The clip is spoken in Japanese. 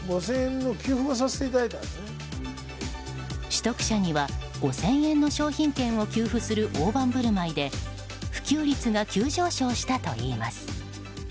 取得者には５０００円の商品券を給付する大盤振る舞いで普及率が急上昇したといいます。